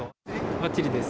ばっちりです。